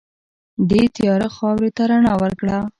دې تیاره خاورې ته رڼا ورکړه.